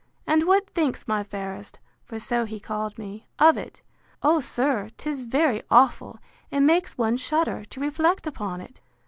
—And what thinks my fairest (for so he called me) of it?—O sir, 'tis very awful, and makes one shudder, to reflect upon it!